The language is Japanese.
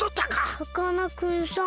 さかなクンさん